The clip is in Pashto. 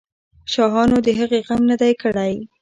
شاهانو د هغې غم نه دی کړی.